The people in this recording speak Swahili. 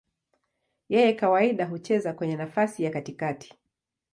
Yeye kawaida hucheza kwenye nafasi ya katikati.